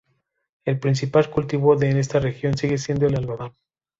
El principal cultivo en esta región sigue siendo el algodón.